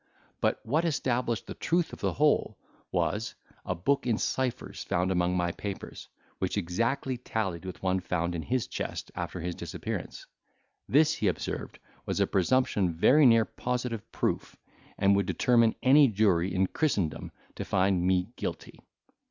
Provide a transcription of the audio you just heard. But what established the truth of the whole was, a book in cyphers found among my papers, which exactly tallied with one found in his chest, after his disappearance. This, he observed, was a presumption very near positive proof, and would determine any jury in Christendom to find me guilty.